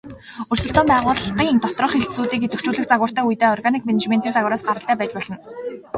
Өрсөлдөөн байгууллын доторх хэлтсүүдийг идэвхжүүлэх загвартай үедээ органик менежментийн загвараас гаралтай байж болно.